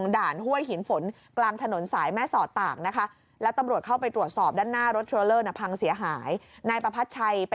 ด่านห้วยหินฝนกลางถนนสายแม่ศอดต่างนะคะแล้วตำรวจเข้าไปตรวจสอบด้านหน้ารถ